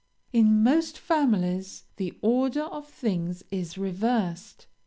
In most families, the order of things is reversed.